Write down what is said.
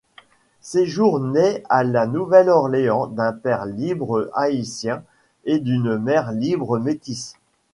Séjour naît à La Nouvelle-Orléans d'un père libre haïtien et d'une mère libre métisse.